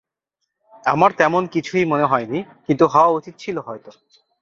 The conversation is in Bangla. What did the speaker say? আমার তেমন কিছুই মনে হয়নি, কিন্তু হওয়া উচিৎ ছিল হয়ত।